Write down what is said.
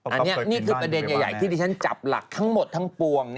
อันนี้นี่คือประเด็นใหญ่ที่ที่ฉันจับหลักทั้งหมดทั้งปวง